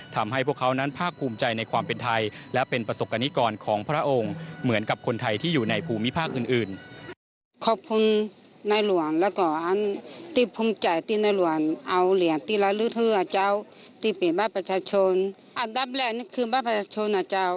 ทำให้พวกเขานั้นภาคภูมิใจในความเป็นไทยและเป็นประสบกรณิกรของพระองค์เหมือนกับคนไทยที่อยู่ในภูมิภาคอื่น